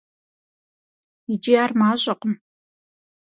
ИкӀи ар мащӀэкъым.